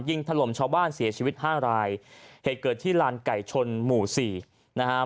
ถล่มชาวบ้านเสียชีวิตห้ารายเหตุเกิดที่ลานไก่ชนหมู่สี่นะฮะ